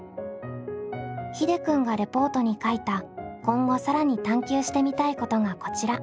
ひでくんがレポートに書いた今後更に探究してみたいことがこちら。